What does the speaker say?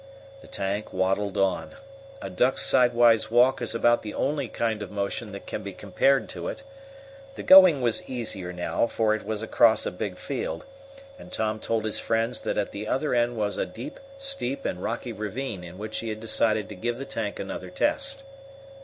The tank waddled on. A duck's sidewise walk is about the only kind of motion that can be compared to it. The going was easier now, for it was across a big field, and Tom told his friends that at the other end was a deep, steep and rocky ravine in which he had decided to give the tank another test.